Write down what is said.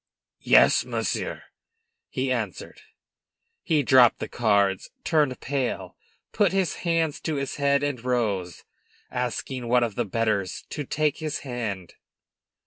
"Yes, monsieur," he answered. He dropped the cards, turned pale, put his hands to his head and rose, asking one of the bettors to take his hand.